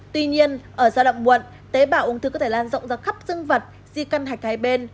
tuy nhiên ở giai đoạn muộn tế bào ung thư có thể lan rộng ra khắp sưng vật di căn hạch hai bên